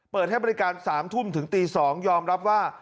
เปิดให้บริการ๓ทุ่มถึงตี๒ยอมรับว่า